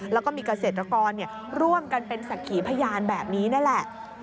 แล้วก็มีเกษตรกรร่วมกันเป็นสักขีพยานแบบนี้นั่นแหละ